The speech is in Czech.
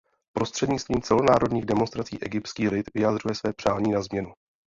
Prostřednictvím celonárodních demonstrací egyptský lid vyjadřuje své přání na změnu.